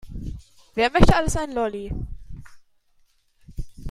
Wer möchte alles einen Lolli?